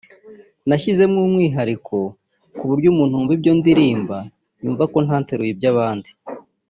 nashyizemo umwihariko ku buryo umuntu wumva ibyo ndirimba yumva ko ntateruye iby’abandi